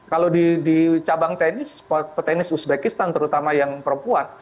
kalau di cabang petenis uzbekistan terutama yang perempuan